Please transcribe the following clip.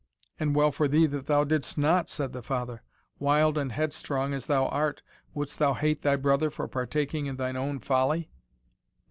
"And well for thee that thou didst not," said the father; "wild and headstrong as thou art, wouldst thou hate thy brother for partaking in thine own folly?"